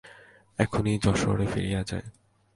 এখনই যশোহরে ফিরিয়া যাই।